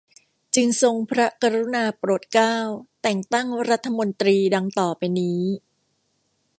จึงทรงพระกรุณาโปรดเกล้า แต่งตั้งรัฐมนตรี ดังต่อไปนี้